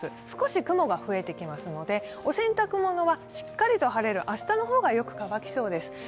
少し雲が増えてきますので、お洗濯物は、しっかりと晴れる明日の方がよく乾きそうです。